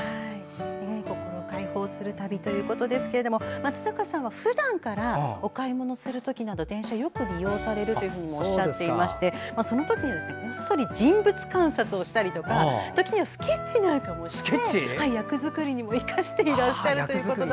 心を解放する旅ということですが松坂さんはふだんからお買い物する時など鉄道をよく利用されるとおっしゃっていてそんな時にはこっそり人物観察をしたり時にはスケッチしながら次の役作りにも生かしていらっしゃると。